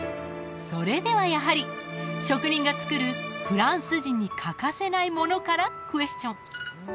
それではやはり職人が作るフランス人に欠かせないものからクエスチョン！